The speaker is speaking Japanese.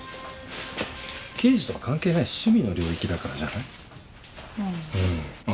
刑事とは関係ない趣味の領域だからじゃない？ああ。